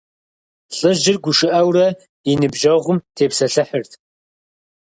ЛӀыжьыр гушыӀэурэ и ныбжьэгъум тепсэлъыхьырт.